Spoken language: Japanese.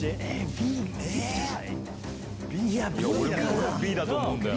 俺Ｂだと思うんだよ。